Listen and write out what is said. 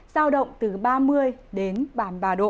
giao động từ ba mươi đến ba mươi ba độ